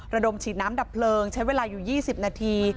ระดมฉีดน้ำดับเพลิงใช้เวลาอยู่๒๐นาที